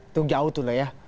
itu jauh tuh loh ya